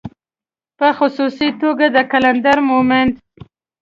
په خصوصي توګه د قلندر مومند